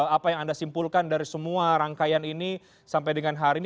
apa yang anda simpulkan dari semua rangkaian ini sampai dengan hari ini